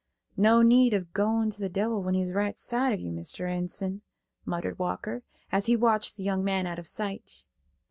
"No need of goin' to the devil when he's right side of you, Mr. Enson," muttered Walker, as he watched the young man out of sight.